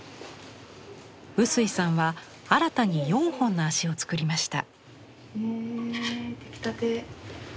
臼井さんは新たに４本の足を作りました。